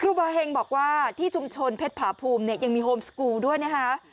บาเฮงบอกว่าที่ชุมชนเพชรผาภูมิเนี่ยยังมีโฮมสกูลด้วยนะคะ